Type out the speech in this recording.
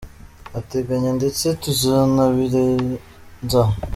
ateganya ndetse tuzanabirenza.’’